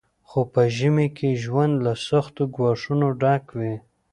خو په ژمي کې ژوند له سختو ګواښونو ډک وي